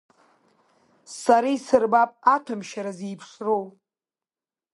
Сара исырбап аҭәамшьара зеиԥшроу!